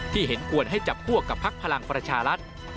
ที่เห็นกวนให้จับควบกับพักษมณ์พลังภรรชารัฐ